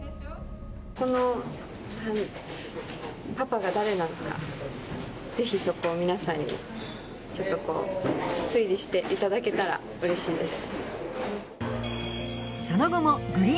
このパパが誰なのかぜひそこを皆さんにちょっとこう推理していただけたらうれしいです。